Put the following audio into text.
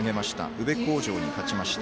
宇部鴻城に勝ちました。